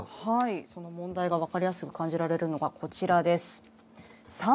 その問題が分かりやすく感じられるのがこちらです。